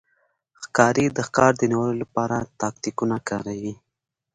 ښکاري د ښکار د نیولو لپاره تاکتیکونه کاروي.